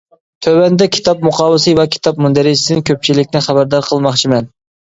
تۆۋەندە كىتاب مۇقاۋىسى ۋە كىتاب مۇندەرىجىسىدىن كۆپچىلىكنى خەۋەردار قىلماقچىمەن.